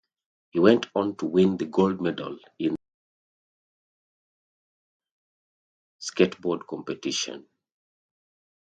He went on to win the gold medal in the inaugural park skateboard competition.